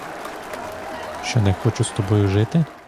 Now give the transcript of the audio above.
Що не хочу з тобою жити?